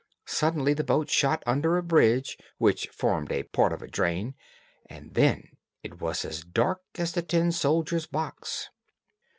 Suddenly the boat shot under a bridge which formed a part of a drain, and then it was as dark as the tin soldier's box.